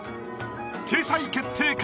掲載決定か？